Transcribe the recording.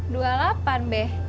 dua lapan be